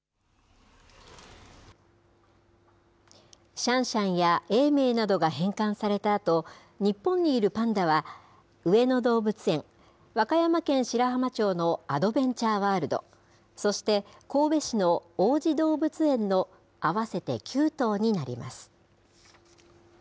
シャンシャンや永明などが返還されたあと、日本にいるパンダは、上野動物園、和歌山県白浜町のアドベンチャーワールド、そして神戸市の王子動物園の合わせて９頭になります。